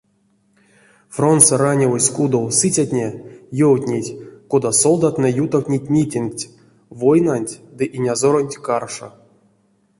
Фронтсо ранявозь кудов сыцятне ёвтнить, кода солдатнэ ютавтнить митингть войнанть ды инязоронть каршо.